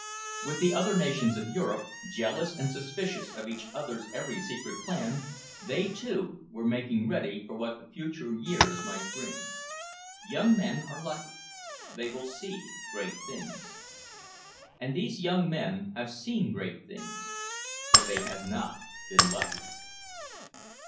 And the other nations of Europe, jealous and suspicious of each other's every secret plan they, too, were making ready for what the future years might bring. "Young men are lucky. They will see great things." And these young men have seen great things. But they have not been lucky.